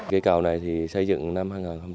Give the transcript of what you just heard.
cây cầu này thì xây dựng năm hai nghìn bảy